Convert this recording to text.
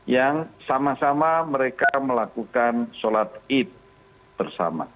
yang sama sama mereka melakukan sholat id bersama